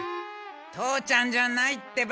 父ちゃんじゃないってば！